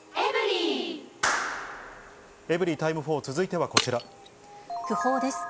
エブリィタイム４、続いては訃報です。